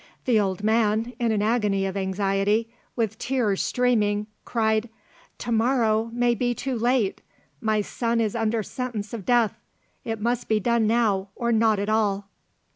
The old man, in an agony of anxiety, with tears streaming, cried, "To morrow may be too late! My son is under sentence of death. _It must be done now, or not at all.